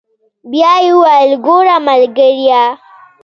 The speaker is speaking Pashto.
بيا يې وويل ګوره ملګريه.